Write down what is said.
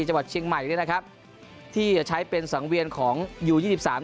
จังหวัดเชียงใหม่เนี่ยนะครับที่จะใช้เป็นสังเวียนของยูยี่สิบสาม